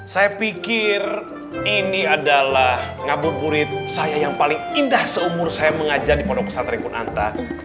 saya pikir ini adalah ngabur murid saya yang paling indah seumur saya mengajar di pondok pesantren kunanta